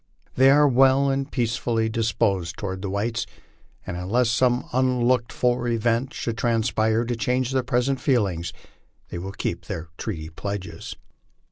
They are well and peacefully disposed toward the whites, and, unless some unlooked for event should transpire to change their present feelings, they will keep their treaty pledges.